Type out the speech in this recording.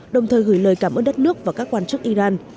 đồng thời gửi lời cảm ơn đất nước và các quan chức iran